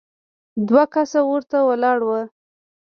دوه کسه ورته ولاړ وو.